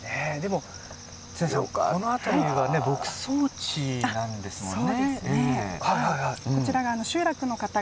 常さん、この辺りは牧草地なんですもんね。